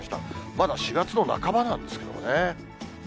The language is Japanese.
まだ４月の半ばなんですけれどもね。